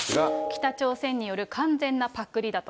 北朝鮮による完全なパクリだと。